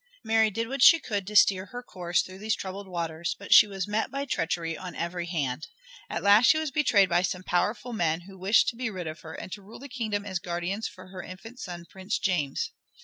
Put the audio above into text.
Mary did what she could to steer her course through these troubled waters, but she was met by treachery on every hand. At last she was betrayed by some powerful men who wished to be rid of her and to rule the kingdom as guardians for her infant son, Prince James.